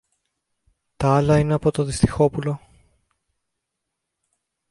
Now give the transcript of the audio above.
Τ' άλλα είναι από το Δυστυχόπουλο.